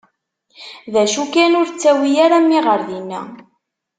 D acu kan, ur ttawi ara mmi ɣer dinna.